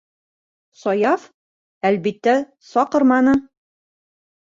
Саяф, әлбиттә, саҡырманы.